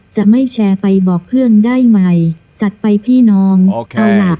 จะไม่แชร์ไปบอกเพื่อนได้ไหมจัดไปพี่น้องโอเคเอาล่ะ